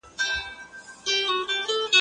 زه به اوږده موده د ښوونځی لپاره تياری کړی وم.